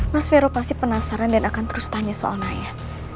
mas vero pasti penasaran dan akan terus tanya soal ayah